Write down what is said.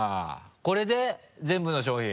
これで全部の賞品？